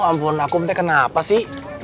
aduh ampun aku minta kenapa sih